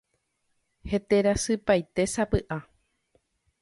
Heterasypaitésapy'a.